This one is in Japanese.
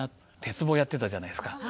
鉄棒やってたじゃないですか。